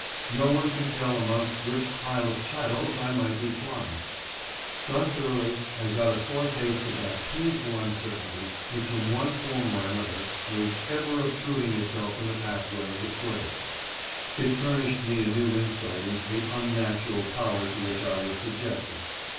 No one could tell amongst which pile of chattels I might be flung. Thus early, I got a foretaste of that painful uncertainty which in one form or another was ever obtruding itself in the pathway of the slave. It furnished me a new insight into the unnatural power to which I was subjected.